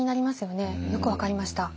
よく分かりました。